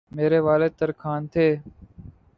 میرے والد ترکھان تھے